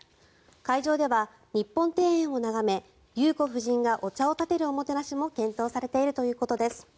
会場では日本庭園を眺め裕子夫人がお茶をたてるおもてなしも検討されているということです。